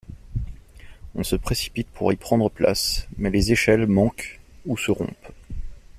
On se précipite pour y prendre place, mais les échelles manquent ou se rompent.